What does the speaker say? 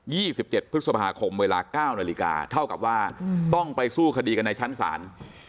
สิบเจ็ดพฤษภาคมเวลาเก้านาฬิกาเท่ากับว่าต้องไปสู้คดีกันในชั้นศาล